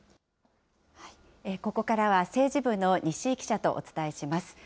ここからは政治部の西井記者とお伝えします。